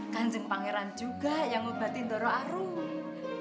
kan jeng pangeran juga yang mengubahkan jodoh arum